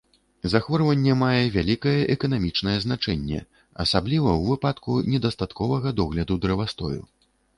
Захворванне мае вялікае эканамічнае значэнне, асабліва ў выпадку недастатковага догляду дрэвастою.